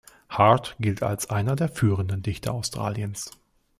Hart gilt als einer der führenden Dichter Australiens.